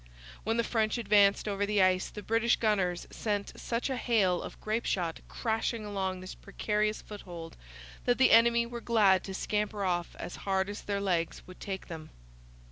When the French advanced over the ice the British gunners sent such a hail of grape shot crashing along this precarious foothold that the enemy were glad to scamper off as hard as their legs would take them.